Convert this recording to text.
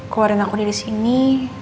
keluarin aku dari sini